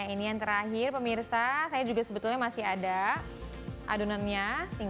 ini yang terakhir pemirsa saya juga sebetulnya masih ada dance ke marching